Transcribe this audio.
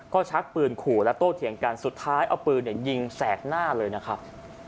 ก็ชักปืนขู่และโตเถียงกันสุดท้ายเอาปืนยิงแสกหน้าเลยนะครับ